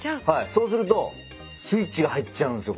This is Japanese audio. そうするとスイッチが入っちゃうんすよ